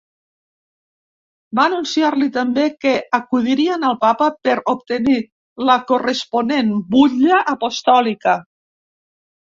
Va anunciar-li també que acudirien al papa per obtenir la corresponent butlla apostòlica.